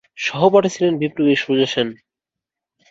সহপাঠী ছিলেন বিপ্লবী সূর্য সেন।